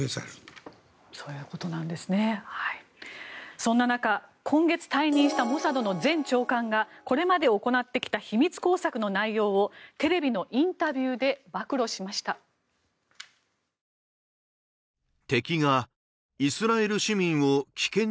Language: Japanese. そんな中、今月退任したモサドの前長官がこれまで行ってきた秘密工作の内容をテレビのインタビューで暴露しました。